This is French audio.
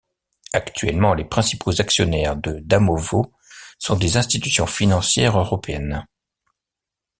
Actuellement, les principaux actionnaires de Damovo sont des institutions financières européennes.